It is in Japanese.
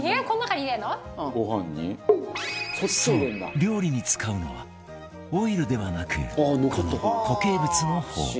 そう料理に使うのはオイルではなくこの固形物の方